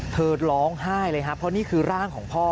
เธอร้องไห้เลยครับเพราะนี่คือร่างของพ่อ